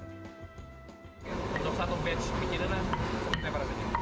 untuk satu batch penyedap